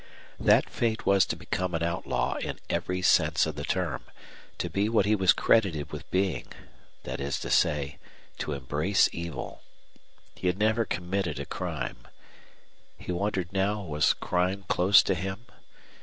That fate was to become an outlaw in every sense of the term, to be what he was credited with being that is to say, to embrace evil. He had never committed a crime. He wondered now was crime close to him?